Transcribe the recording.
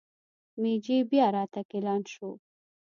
مېجي بیا راتګ اعلان شو.